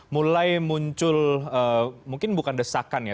mulai muncul mungkin bukan desakan ya